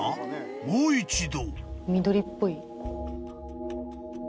もう一度］